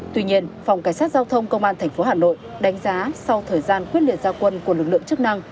tuy nhiên phòng cảnh sát giao thông công an tp hà nội đánh giá sau thời gian quyết liệt gia quân của lực lượng chức năng